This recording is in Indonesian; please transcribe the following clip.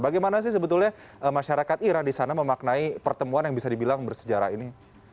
bagaimana sih sebetulnya masyarakat iran di sana memaknai pertemuan yang bisa dibilang bersejarah ini